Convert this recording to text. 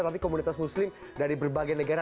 tapi komunitas muslim dari berbagai negara